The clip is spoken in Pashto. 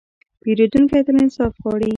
پیرودونکی تل انصاف غواړي.